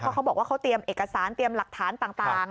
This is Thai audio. เขาบอกว่าเขาเตรียมเอกสารเตรียมหลักฐานต่าง